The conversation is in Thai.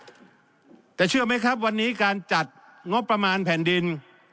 แต่เชื่อไหมครับวันนี้การจัดงบประมาณแผ่นดิน